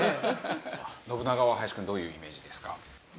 信長は林くんどういうイメージですか？